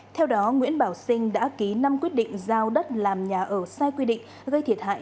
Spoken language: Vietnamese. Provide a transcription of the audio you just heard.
theo đó nguyễn bảo sinh đã ký năm quyết định giao đất làm nhà ở sai quy định gây thiệt hại